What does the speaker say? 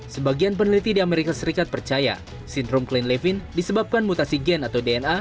sebagian peneliti di amerika serikat percaya sindrom clean levin disebabkan mutasi gen atau dna